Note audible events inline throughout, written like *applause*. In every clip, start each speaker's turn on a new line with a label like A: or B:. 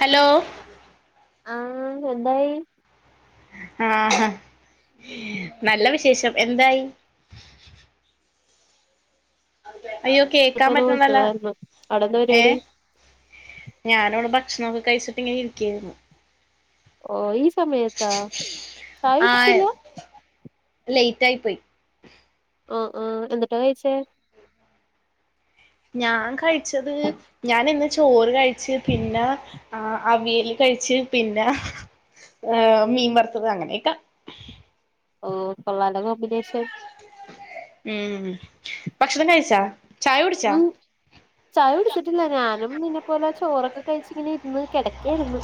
A: Hello
B: ആഹ് എന്തായി?
A: ആഹ് നല്ല വിശേഷം എന്തായി? അയ്യോ കേക്കാൻ
B: ഇപ്പൊന്ന്
A: പറ്റുന്നതല്ല
B: വിളിച്ചതായിരുന്നു അവിടെന്താ പരിപാടി
A: ഏഹ്. ഞാൻ ഇവിടെ ഭക്ഷണമൊക്കെ കഴിച്ചിട്ട് ഇങ്ങനെ ഇരിക്കായിരുന്നു.
B: ഓ ഈ സമയത്തോ, ചായ കുടിച്ചില്ല?
A: അല്ല ഈ ടൈപ്പ്.
B: ഓ ഓ എന്തൂട്ടാ കഴിച്ചേ?
A: ഞാൻ കഴിച്ചത് ഞാൻ ഇന്ന് ചോറ് കഴിച്ച് പിന്നാ. ആഹ് അവിയല് കഴിച്ച്, പിന്നാ ഏഹ് മീൻ വറുത്തത് അങ്ങനൊക്കെ.
B: ഓ കൊള്ളാലോ കോമ്പിനേഷൻ.
A: ഉം ഭക്ഷണം കഴിച്ചോ, ചായ കുടിച്ചോ?
B: ഉം ചായ കുടിച്ചിട്ടില്ല, ഞാനും നിന്നെ പോലെ ചോറൊക്കെ കഴിച്ച് ഇങ്ങനെ ഇരുന്ന് കിടക്കുകയായിരുന്നു.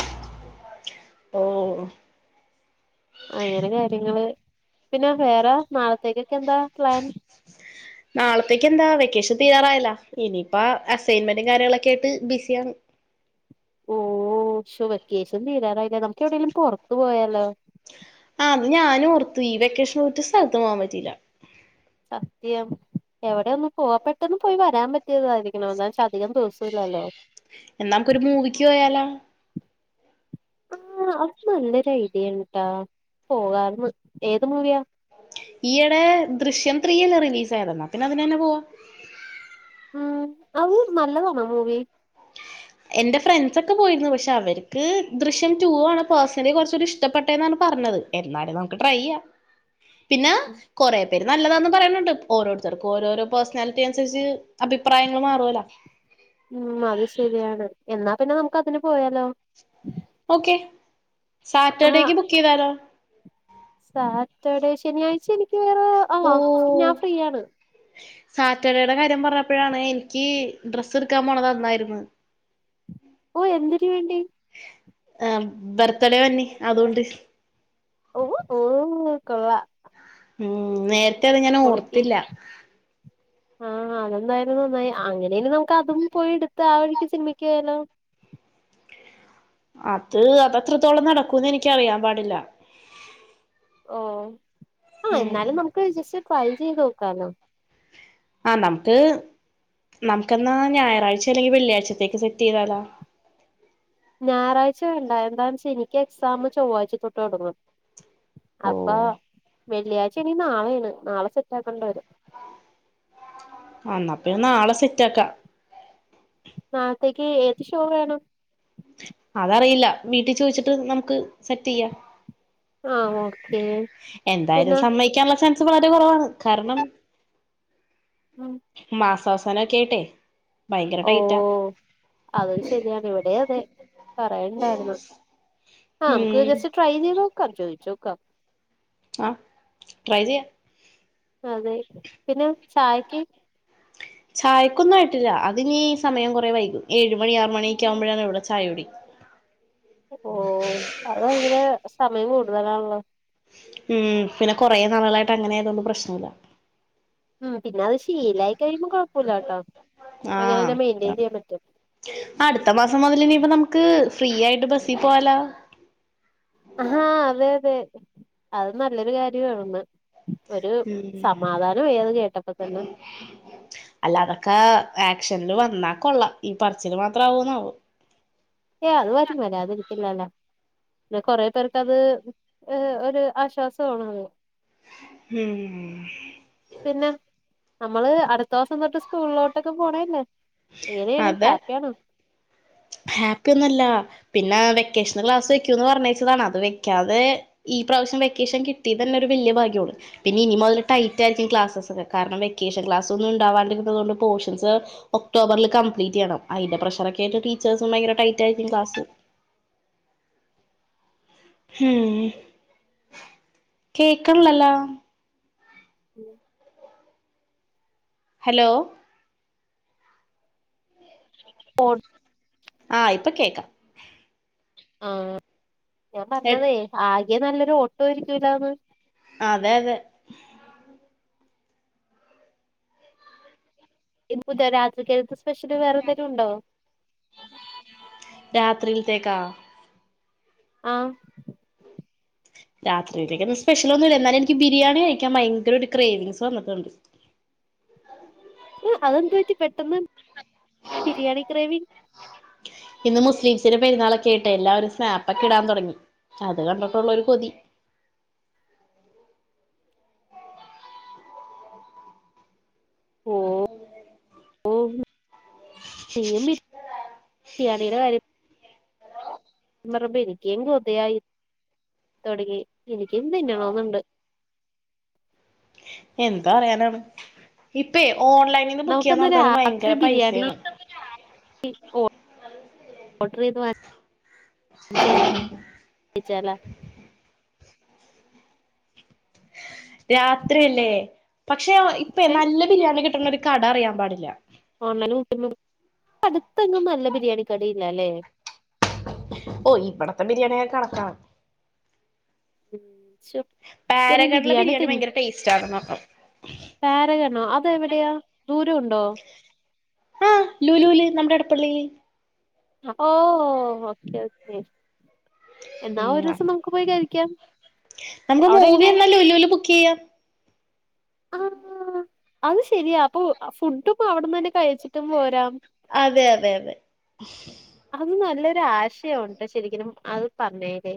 A: ഓഹ്
B: അങ്ങനെ കാര്യങ്ങള് പിന്നെ വേറെ നാളത്തേക്ക് ഒക്കെ എന്താ പ്ലാൻ.
A: നാളത്തേക്ക് എന്താ വെക്കേഷൻ തീരാറായല്ലോ, ഇനിയിപ്പോ അസ്സിഗ്ന്മെന്റും കാര്യങ്ങളെയൊക്കെ ആയിട്ട് ബിസിയാണ്.
B: ഓ ശോ വെക്കേഷൻ തീരാറായില്ലേ, നമുക്ക് എവിടേലും പൊറത്ത് പോയാലോ?
A: ആഹ് അത് ഞാനും ഓർത്തു ഈ വെക്കേഷന് ഒരു സ്ഥലത്തും പോവാൻ പറ്റിയില്ല.
B: സത്യം എവിടെ ഒന്ന് പോ പെട്ടെന്ന് പോയി വരാൻ പറ്റിയതായിരിക്കണം എന്ന് വെച്ചാൽ അധികം ദിവസം ഇല്ലല്ലോ.
A: എന്നാ നമുക്കൊരു മൂവിക്ക് പോയാലോ?
B: ആഹ് അത് നല്ലൊരു ഐഡിയ ആണട്ടോ, പോകാന്ന് ഏത് മൂവിയാ?
A: ഈയിടെ ദൃശ്യം ത്രീ അല്ലേ റിലീസ് ആയതല്ലേ, പിന്നെ അതിന് തന്നെ പോവാം.
B: ഉം അത് നല്ലതാണോ മൂവി?
A: എൻ്റെ ഫ്രണ്ട്സ് ഒക്കെ പോയിരുന്നു, പക്ഷെ അവർക്ക് ദൃശ്യം ടൂ ആണ് പേഴ്സണലി കൊറച്ച് കൂടി ഇഷ്ടപ്പെട്ടെന്നാണ് പറഞ്ഞത്. എന്നാല് നമുക്ക് ട്രൈ ചെയ്യാം.
B: *inaudible*
A: പിന്നാ കൊറെ പേരെ നല്ലതാന്ന് പറയുന്നുണ്ട്, ഓരോരുത്തർക്കും ഓരോരോ പേഴ്സണാലിറ്റി അനുസരിച്ച് അഭിപ്രായങ്ങൾ മാറാലോ.
B: ഉം അത് ശരിയാണ്, എന്നാ പിന്നെ നമുക്ക് അതിന് പോയാലോ?
A: ഓക്കേ
B: ആഹ്
A: സാറ്റർഡേക്ക് ബുക്ക് ചെയ്താലോ?
B: സാറ്റർഡേ ശനിയാഴ്ച എനിക്ക്
A: ഓ
B: ആഹ് ഞാൻ ഫ്രീയാണ്.
A: സാറ്റർഡേയുടെ കാര്യം പറഞ്ഞപ്പോഴാണ് എനിക്ക് ഡ്രസ്സ് എടുക്കാൻ പോണത് അന്നായിരുന്നു.
B: ഓ എന്തിന് വേണ്ടി.
A: ആഹ് ബർത്ത് ഡേ വരണ് അതോണ്ട്.
B: ഓ ഓ കൊള്ളാം.
A: ഉം നേരത്തെ അത് ഞാൻ
B: പൊളിക്ക്
A: ഓർത്തില്ല.
B: ആഹ് അതെന്തായാലും നന്നായി അങ്ങനെ ആണേൽ നമുക്ക് അതും പോയി എടുത്ത് ആഹ് വഴിക്ക് സിനിമക്ക് പോയാലോ?
A: അത് അത് എത്രത്തോളം നടക്കുന്ന് എനിക്ക് അറിയാൻ പാടില്ല.
B: ഓ ആഹ്
A: ഉം
B: എന്നാലും നമുക്ക് ജസ്റ്റ് ട്രൈ ചെയ്ത് നോക്കാലോ?
A: ആഹ് നമുക്ക് നമുക്ക് എന്നാ ഞായറാഴ്ച അല്ലെങ്കിൽ വെള്ളിയാഴ്ചത്തേക്ക് സെറ്റ് ചെയ്താലോ?
B: ഞായറാഴ്ച വേണ്ട എന്താന്ന് വച്ചാൽ എനിക്ക് എക്സാം ചൊവ്വാഴ്ച തൊട്ട് തൊടങ്ങും.
A: ഓ
B: അപ്പൊ വെള്ളിയാഴ്ച ഇനി നാളെയാണ് നാളെ സെറ്റ് ആകേണ്ട വരും.
A: എന്നാ പിന്നെ നാളെ സെറ്റ് ആക്കാം.
B: നാളത്തേക്ക് ഏത് ഷോ വേണം.
A: അത് അറിയില്ല, വീട്ടിൽ ചോദിച്ചിട്ട് നമുക്ക് സെറ്റ് ചെയ്യാം.
B: ആഹ് ഓക്കേ.
A: എന്തായാലും
B: പിന്നെ
A: സമ്മയിക്കാനുള്ള ചാൻസ് വളരെ കൊറവാണ് കാരണം
B: *inaudible*
A: മാസവാസാനം ഒക്കെ ആയിട്ടെ ഭയങ്കര ടൈറ്റാ
B: ഓഹ് അതും ശരിയാണ് ഇവിടെ അതെ പറയുണ്ടായിരുന്നു ആഹ് നമുക്ക്
A: ഉം
B: വിചാ ട്രൈ ചെയ്ത് നോക്കാം ചോയ്ച് നോക്കാം
A: ആഹ് ട്രൈ ചെയ്യാം
B: അതെ പിന്നെ ചായയ്ക്ക്
A: ചായക്കൊന്നും ആയിട്ടില്ല അത് നീ സമയം കൊറെ വൈകും ഏഴ് മണി ആറുമണിയക്കെ ആകുമ്പോഴാണ് ഇവിടെ ചായ കുടി
B: ഓ അത് ഭയങ്കര സമയം കൂടുതലാണല്ലോ
A: ഉം പിന്നെ കുറേ നാളുകളായിട്ട് അങ്ങനെ ആയതുകൊണ്ട് പ്രശ്നമില്ല
B: ഉം പിന്നെ അത് ശീലായി കഴിയ്മ്പോ കുഴപ്പല്ല കെട്ടോ
A: ആഹ് അതാണ് അടുത്ത മാസം മുതൽ ഇനിയിപ്പെ നമുക്ക് ഫ്രീ ആയിട്ട് ബസ്സിൽ പോവാലെ
B: അഹാ അതെ അതെ അത് നല്ലൊരു കാര്യണല്ലോ ഒരു സമാധാനായി അത് കേട്ടപ്പോ തന്നെ ! ! ! ! ! ! !
A: അല്ലതൊക്കെ ആക്ഷനിൽ വന്നാൽ കൊള്ളാം ഈ പറിച്ചില് മാത്ര ആവോന്നാവോ
B: ഏഹ് അത് വരും വരാതിരിക്കില്ലല്ലോ പിന്നെ കൊറേ പേർക്കത് ഒരു ആശ്വാസമാണത്
A: ഉം
B: പിന്നെ നമ്മള് അടുത്ത ദിവസം തൊട്ട് സ്കൂളിലോട്ട് ഇട്ടൊക്കെ പോണല്ലേ ഏതാണ്
A: അതെ
B: ഹാപ്പി ആണോ
A: ഹാപ്പി ഒന്നും അല്ല പിന്നെ വെക്കേഷൻ ക്ലാസ് വെക്കൂന്ന് പറഞ്ഞേച്ചതാണ് അത് വെക്കാതെ ഈ പ്രാവശ്യം വെക്കേഷൻ കിട്ടി തന്നെ ഒരു വല്യ ഭാഗ്യമാണ് പിന്നെ ഇനി മുതൽ ടൈറ്റായിരിക്കും ക്ലാസ്സസ്കെ കാരണം വെക്കേഷൻ ക്ലാസ് ഒന്നുംണ്ടാവാതിരുന്നത് കൊണ്ട് പോർഷൻസ് ഒക്ടോബറിൽ കംപലീറ്റ് ചെയ്യണം അതിന്റെ പ്രഷറൊക്കൊയായിട്ട് ടീച്ചേഴ്സും ഭയര ടൈറ്റായിരിക്കും ക്ലാസ് ഉം കേക്ണില്ലല്ലോ
B: ഉം
A: ഹലോ
B: ഫോൺ
A: ആ ഇപ്പ കേക്കാം
B: ആഹ് ഞാൻ
A: എട്-
B: പറഞ്ഞതേ ആകെ നല്ലൊരു ഓട്ടോയിരിക്കൂല്ലന്ന്
A: അതെ അതെ
B: ഇത് പുതിയ രാത്രിക്കത്തേക്ക് സ്പെഷ്യല് വേറെ എന്തെരും ഉണ്ടോ
A: രാത്രിൽത്തേക്കാ
B: ആഹ്
A: രാത്രിയിലേക്ക് ഒന്നും സ്പെഷ്യൽ ഒന്നുമില്ല എന്നാലും എനിക്ക് ബിരിയാണി കഴിക്കാൻ ഭയങ്കര ഒരു ഗ്രേവിംഗങ്സ് വന്ന്ട്ടുണ്ട്
B: ആഹ് അതെന്ത് പറ്റി പെട്ടെന്ന് ബിരിയാണി ഗ്രേവി
A: ഇന്ന് മുസ്ലിംസിന്റെ പെരുന്നാളൊക്കെയിട്ട് എല്ലാവരും സ്നാപ്പക്കെ ഇടാൻ തുടങ്ങി അത് കണ്ടിട്ടുള്ളൊ ഒരു കൊതി
B: ഓഹ് ഓഹ് നിയും ബിരി രിയാണിയുടെ കാര്യം പറഞ്ഞപ്പം എനിക്കും കൊതയായി തൊടങ്ങി എനിക്കും തിന്നണന്നുണ്ട്
A: എന്താ പറയാനാണ് ഇപ്പേ ഓൺലൈനിൽന്ന് ബുക്ക്യ്യാന്ന്
B: നമുക്കന്ന്
A: ഓർത്താലും ഭയങ്കര പൈസയാണ്
B: ഓഡർതു വാങ്ങി ! ! ! ! ! ! ! ! ! കഴിച്ചാലോ
A: രാത്രിയല്ലേ പക്ഷെ
B: ഏ
A: ഇപ്പം നല്ല ബിരിയാണി കിട്ടണ ഒരു കട അറിയാൻ പാടില്ല
B: ഓൺലൈനിൽകിട്ടുല്ലോ അടുത്തന്നും നല്ല ബിരിയാണി കടയില്ലല്ലേ
A: ഓ ഇവിടത്തെ ബിരിയാണിയൊക്കെ കടക്കാണ്
B: *unintelligible*
A: പാരഗൺ ബിരിയാണി ഭയങ്കര ടേസ്റ്റ് ആര്ന്നുട്ടേ
B: പാരഗണോ അത് എവിടെയാ ദൂരം ഉണ്ടോ
A: ആഹ് ലുലൂല് നമ്മുടെ എടപ്പള്ളിയില്
B: ഓ ഓക്കെ ഓക്കേ എന്നാ ഒരു
A: ഉം
B: ദിവസം നമുക്ക് പോയി കഴിക്കാം
A: നമുക്ക്
B: അവിടെ
A: മൂവി
B: എങ്ങനെ
A: എന്നാ ലുലൂല് ബുക്ക് ചെയ്യാം
B: ആഹ് അത് ശെരിയാ അപ്പൊ ഫുഡും അവിടന്നന്നെ കഴിച്ചിട്ടും പോരാ
A: അതെ അതെ അതെ
B: അത് നല്ലൊരു ആശയൊണ്ട്ശരിക്കും അത്പറഞ്ഞേലേ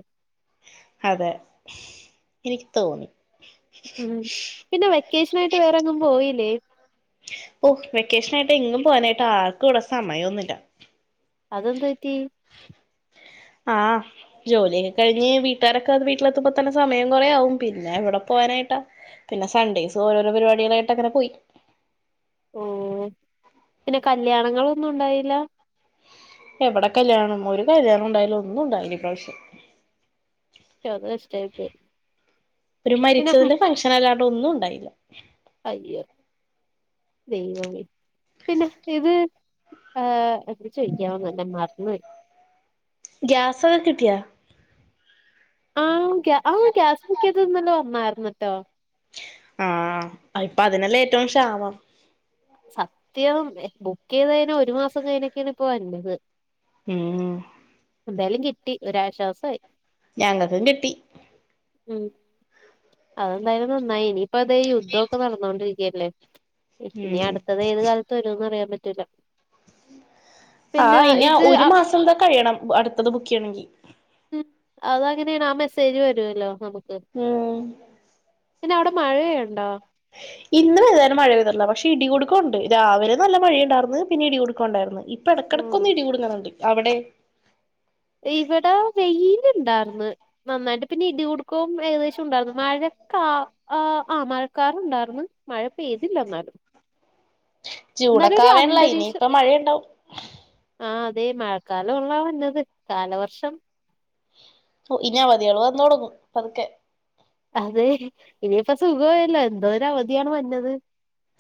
A: അതെ എനിക്ക് തോന്നി
B: ഉം പിന്നെ വെക്കേഷനായിട്ട് വേറെങ്ങും പോയില്ലേ
A: ഓ വെക്കേഷനായിട്ട് എങ്ങും പോവാനായിട്ട് ആർക്കും ഇവിടെ സമയന്നുല്ല്യ
B: അതന്ത്പറ്റി
A: ആഹ് ജോലിയൊക്കെ കഴിഞ്ഞ് വീട്ടുകാരൊക്കെ വീട്ടിലെത്തുമ്പോൾ തന്നെ സമയംകുറെ ആവും പിന്നെ എവിടെ പോവാനായിട്ടാ പിന്നെ സൺഡേസ് ഓരോരോ പരിപാടികളായിട്ട്ങ്ങനെപോയി
B: ഉം പിന്നെ കല്യാണങ്ങളൊന്നുണ്ടായില്ല
A: എവിടെ കല്ല്യാണം ഒരു കല്ല്യാണം ഉണ്ടായിലന്നുണ്ടായില്ല ഇപ്രാവശ്യം
B: അത് കഷ്ടായി പോയി
A: ഒരു
B: പിന്നെ ഹും,
A: മരിച്ചതില് ഫംഗഷൻ അല്ലാണ്ട് ഒന്നും ഉണ്ടായില്ല
B: അയ്യോ ദൈവമി പിന്നെ ഇത് ആഹ് ചോയ്ക്കാവന്ന് ന് മറന്ന് പോയി
A: ഗ്വാസൊക്കെ കിട്ടിയൊ
B: ആഹ് ആ ഗ്യസ്ബുക്കിതത് ഇന്നലെ വന്നാരുന്നട്ടോ
A: ആഹ് ഇപ്പ അതിനല്ലെ ഏറ്റവും ഷാമം
B: സത്യം ബുക്കെയ്ത കഴഞ്ഞാ ഒരു മാസം കഴിഞ്ഞൊക്കെണ് ഇപ്പോ വര് ന്നത്
A: ഉം
B: എന്തായാലും കിട്ടി ഒരാശ്വാസായി
A: ഞങ്ങക്കുകിട്ടി
B: ഉം അത് ന്തായാലും നന്നായി ഇനിയിപ്പ അതേ യുദ്ധക്കെ നടന്നോണ്ടിരിക്കല്ലേ ഇനി
A: ഉം
B: അടുത്തത് ഏത് കാലത്ത് വരുന്ന് അറിയാപറ്റൂല
A: ആഹ് ഇനഒരു മാസം കഴിയണം അടുത്തത് ബുക്ക്യ്യണങ്കി
B: ഉം അത അങ്ങനെയാണ് ആ മെസ്സേജ് വരുല്ലോ നമു
A: ഉം
B: ക്പിന്നെ അവിടെ മഴയുണ്ടോ
A: ഇന്നും ഏതാലും മഴ പെയ്തില്ല പക്ഷെ പെയ്തിട്ട്ല്ലപക്ഷെ ഇടികുടുക്കണ്ട് രാവിലെ നല്ല മഴയുണ്ടാർന്ന് പിന്നെ ഇടികുടു ക്കണ്ടായിർന്നു ഇപ്പ
B: ഉം
A: എടക്കിടക്കൊന്ന് ഇടികൂടുങ്ങ്ണ് ണ്ട് അവിടെ
B: ഇവിടെ വെയില്ണ്ടാർന്ന് നന്നായിട്ട് പിന്നെ ഇടികടുക്കവും ഏകദേശം ഉണ്ടായിരുന്നു മഴക്ക ആഹ് ആമഴക്കാറുണ്ടായിരുന്നു മഴ പെയ്തില്ല ഇന്നാലും
A: ജൂണൊക്കെ ആവാണല്ല
B: അന്തരീക്ഷം
A: ഇനിഇപ്പ മഴയുണ്ടാവും
B: ആ അതെ മഴക്കാലുള്ള വന്നത് കാലവർഷം
A: ഒ ഇനി അവധിള് വന്നുടങ്ങും പത്ക്കെ
B: അതെ ഇനിയിപ്പ സുഖയല്ലോ എന്തോര് അവധിയാണ് വന്നത്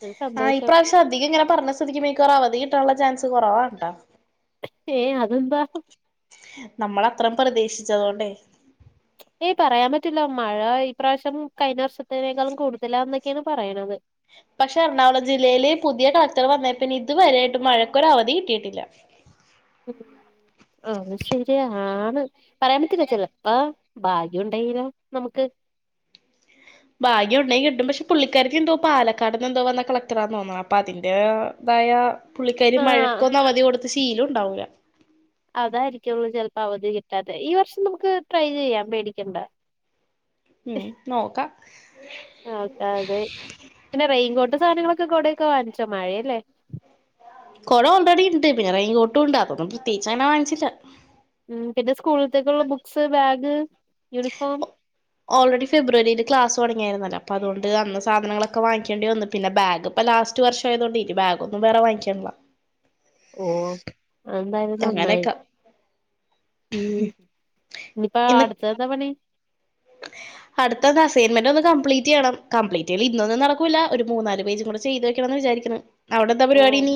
B: ഒരു സന്തോഷം
A: ഇത് അധികം ഇങ്ങനെപറഞ്ഞ് സ്ഥിതിക് മിക്കവാറും അവധി കിട്ടാനുള്ള ചാൻസ് കുറവാണ് ട്ടാ
B: ഏഹ് അതന്താ
A: നമ്മള് അത്രം പ്രതീക്ഷിച്ചതോണ്ടേ
B: ഏയ് പറയാൻ പറ്റില്ല മഴ ഈപ്രാവശ്യം കഴിഞ്ഞ വർഷത്തിനേക്കാളും കൂടുതലാന്നൊക്കെയാണ് പറയണത്
A: പക്ഷെ എറണാകുളം ജില്ലയിലെ പുതിയ കലക്ടർ വന്നപ്പ ഇതുവരൊയിട്ട് മഴക്കൊര അവധി കിട്ടിയിട്ടില്ല
B: ഉ അത് ശരിയാണ് പറയാൻപറ്റില്ല ചെലപ്പാ ഭാഗ്യമുണ്ടെങ്കിലെ നമുക്ക്
A: ഭാഗ്യോ ഉണ്ടെങ്കി കിട്ടും. പശേ പുള്ളിക്കാര്ത്തി എന്തോ പാലക്കാട് ന്ന് ന്തോ വന്ന കളക്ടറാ തോന്ന്ന്നാ അപ്പ അതിന്റെ ഇതായ പുള്ളിക്കാരി
B: ആ
A: മഴക്കൊന്ന് അവധി കൊടുത്ത് ശീലം ണ്ടാവുല.
B: അതായിരിക്കുംള്ളൂ ചെൽപ്പോ അവധി കിട്ടാത്തെ ഈ വർഷം നമുക്ക് ട്രൈ ചെയ്യാം പേടിക്കണ്ട
A: ഉം നോക്കാം
B: ആഹ് അതെ പിന്നെ റെയികോട്ട് സാധനങ്ങളൊക്കെ കൊടയൊക്കെ വങ്ങിച്ചോ മഴ അല്ലേ
A: കൊട ഓൾറെഡി ണ്ട്. പിന്നെ റെയിൻകോട്ടും ഉണ്ട്. അപ്പന്നും പ്രത്യേയ്ച്ചങ്ങനെ വാങ്ങിച്ചില്ല
B: ഉം പിന്നെ സ്കൂള്ത്തേക്കുള്ള ബുക്സ്, ബാഗ്, യൂണിഫോം
A: ഓൾറെഡി ഫെബ്രുവരീല് ക്ലാസ് തൊടങ്ങിയാര്ന്നല്ലോ. അപ്പ അതുകൊണ്ട് അന്ന് സാധനങ്ങളൊക്കെ വാങ്ങിക്കേണ്ടി വന്ന് പിന്നെ ബാഗ് ഇപ്പ ലാസ്റ്റ് വർഷ ആയതോണ്ട് ഇനി ബാഗൊന്നും വേറെ വാങ്ങിക്കെണ്ട
B: ഓഹ് അതെന്തായ്ലും നന്നായി
A: അങ്ങനെയൊക്കെ
B: ഉം ഇനിപ്പ അടുത്തെന്താ പണി?
A: അട്ത്തത് അസൈൻമെന്റ് ഒന്ന് കംപ്ലീറ്റ് യ്യണം. കപ്ലിറ്റെയ്യല് ഇന്നൊന്നും നടക്കൂല്ല ഒരു മൂന്നാല് പേജും കൂടെ ചെയ്ത് വെക്കണന്ന വിചാരിക്ക്ണെ അവിടെന്താ പരിപാടി ഇനി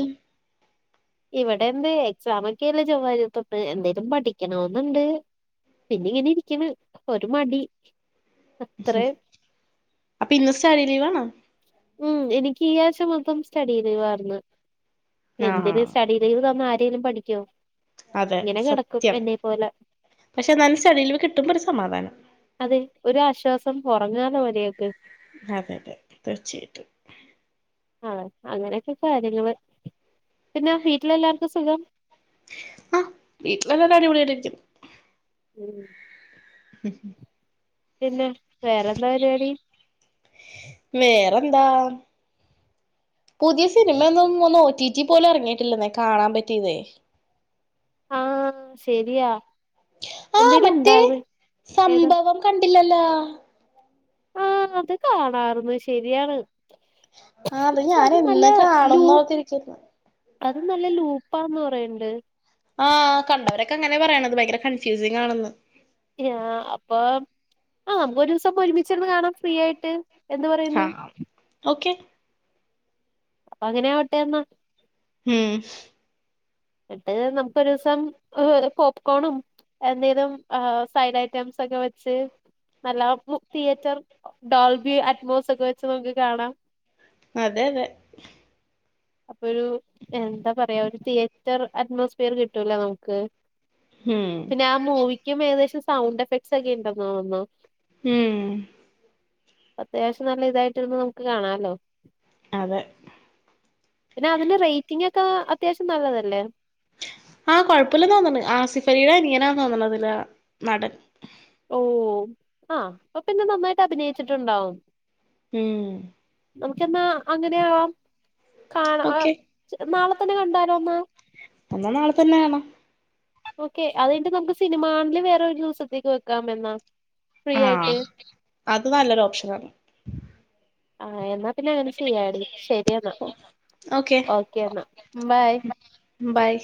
B: ഇവടെ എന്ത് എക്സാം ഒക്കെല്ലെ ചൊവ്വായ്ച തൊട്ട് എന്തേലും പഠിക്കണോന്ന്ണ്ട്. പിന്നിങ്ങനെ ഇരിക്ക്ണ് ഒരു മടി അത്രേ
A: അപ്പ ഇന്ന് സ്റ്റഡി ലീവാണോ
B: ഉം എനിക്ക് ഈ ആഴ്ച്ച മൊത്തം സ്റ്റഡി ലീവാർന്ന്
A: ആഹ്
B: എന്തിന് സ്റ്റഡി ലീവ് തന്ന ആരെലും പഠിക്കോ
A: അതെ
B: ഇങ്ങനെ കിടക്കും
A: സത്യം
B: എന്നെ പോലെ
A: പശേ എന്നാലും സ്റ്റഡി ലീവ് കിട്ടുമ്പൊ ഒരു സമാധാനം.
B: അതെ ഒരാശ്വാസം ഒറങ്ങാല്ലോ മരിയാക്ക്
A: അതെതെ തീർച്ച ആയ്ട്ടും
B: ആഹ് അങ്ങനെയൊക്കെ കാര്യങ്ങള് പിന്നെ വീട്ടിലെല്ലാർക്കും സുഖം
A: ആഹ് വീട്ട്ല് എല്ലാരും അടിപൊളി ആയിട്ടിരിക്ക്ന്നു.
B: ഉം പിന്നെ വേറെന്താ പരിവാടി?
A: വേറന്താ പുതിയ സിനിമയൊന്നും ഒന്ന് ഓറ്റിറ്റി പോലും എറങ്ങിയിട്ടില്ലെന്നേ കാണാൻ പറ്റിതേ
B: ആ ശെരിയാ എന്തേലും ഉണ്ടാവ് ഏതാ
A: കണ്ടില്ലല്ലാ
B: ആഹ് അത് കാണാറ്ന്നു ശെരിയാണ്.
A: ആഹ്
B: ശേ
A: ഞാൻ
B: അത് നല്ല
A: എന്ന്
B: ലൂ
A: കാണുംന്ന് ഓർത്തിരിക്കുന്നു
B: അത് നല്ല ലൂപ്പാന്ന് പറയിണ്ട്
A: ആഹ് കണ്ടവരൊക്കെ അങ്ങനെയാ പറയണത് ഭയങ്കര കൺഫ്യൂസിംങ് ആണെന്ന്
B: അപ്പം ആഹ് നമ്ക്കൊരു ദൂസം ഒരുമിച്ചിരുന്നു കാണാം ഫ്രീ ആയിട്ട് എന്ത്
A: ഹാ
B: പറയുന്നു
A: ഓക്കെ
B: പ്പ അങ്ങനെ ആവട്ടെ ന്നാ
A: ഉം
B: ന്ന്ട്ട് നമുക്ക് ഒരൂസം രു പോപ്കോണും എന്തേലും ആ സൈഡ് ഐറ്റംസ് ഒക്കെ വെച്ച് നല്ല മു തിയേറ്റർ ഡോൾബി അറ്റ്മോസ് ഒക്കെ വെച്ച് നമുക്ക് കാണാം.
A: അതെ അതെ
B: അപ്പൊ ഒരു എന്താ പറയാ ഒരു തിയേറ്റർ അറ്റ്മോസ്ഫിയറ് കിട്ടൂല്ലോ നമുക്ക്
A: ഉം
B: പിന്നെ ആ മൂവിക്കും ഏകദേശം സൗണ്ട് എഫക്ട്സ് ഒക്കെ ഇണ്ടന്ന് തോന്നുന്നു
A: ഉം
B: അത്യാവശ്യം നല്ല ഇതായിട്ടിരുന്ന് നമുക്ക് കാണാല്ലോ
A: അതെ
B: പിന്നെ അതിന്റെ റേറ്റിങ് ഒക്കെ അത്യാവശ്യം നല്ലതല്ലേ?
A: ആഹ് കൊഴപ്പല്ലെന്ന് തോന്നണ്. ആസിഫലീടെ അനിയനാന്ന് തോന്നണ് അതിലെ നടൻ
B: ഓഹ് ആ അപ്പ പിന്നെ നന്നായിട്ട് അഭിനയിച്ചിട്ടുണ്ടാവും
A: ഉം
B: നമുക്ക് എന്നാ അങ്ങനെയാവാം കാണാ
A: ഓക്കെ
B: ആഹ്ച് നാളെ തന്നെ കണ്ടാലോ അന്നാ
A: അന്നാ നാളെ തന്നെ കാണാം
B: ഓക്കെ അത് കഴിഞ്ഞിട്ട് നമ്മക്ക് സിനിമാ കാണല് വേറെ ഒരു ദൂസത്തേക്ക് വെക്കാം എന്നാ ഫ്രീ
A: ആഹ്
B: ആയിട്ട്
A: അത് നല്ലൊരു ഓപ്ഷനാണ്
B: ആഹ് എന്നാ പിന്നെ അങ്ങനെ ചെയ്യാടി ശെരി എന്നാ ഓക്കെ എന്നാ ബായ്
A: ബായ്